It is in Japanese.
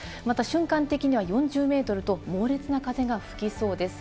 また瞬間的には４０メートルと猛烈な風が吹きそうです。